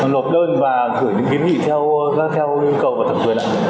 lột đơn và gửi những kiến nghị theo yêu cầu của thẩm quyền ạ